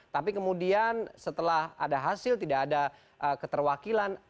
tapi kemudian setelah ada hasil tidak ada keterwakilan